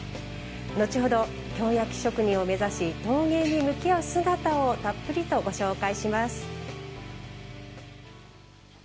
後ほど、京焼職人を目指し陶芸に向き合う姿をたっぷりとご紹介します。